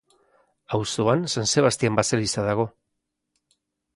Auzoan San Sebastian baseliza dago.